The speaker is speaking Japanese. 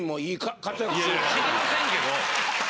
知りませんけど。